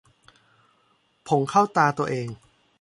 ผงเข้าตาตัวเอง